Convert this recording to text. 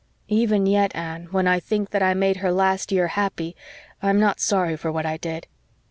Even yet, Anne, when I think that I made her last year happy I'm not sorry for what I did.